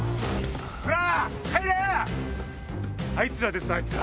あいつらですあいつら。